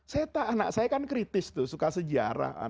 saya kan kritis tuh suka sejarah